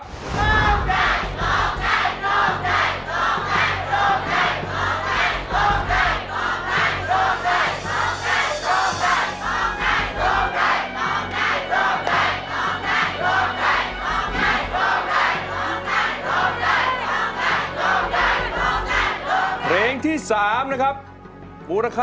โปร่งใจโปร่งใจโปร่งใจโปร่งใจโปร่งใจโปร่งใจ